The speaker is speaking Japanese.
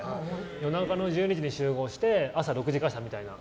夜中の１２時に集合して朝６時解散みたいな。